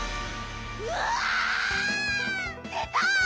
うわ！出た！